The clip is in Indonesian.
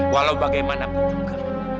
walau bagaimanapun juga mama